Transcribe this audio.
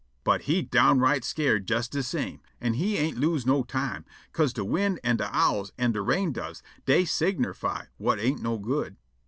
But he downright scared jes de same, an' he ain't lose no time, 'ca'se de wind an' de owls an' de rain doves dey signerfy whut ain't no good.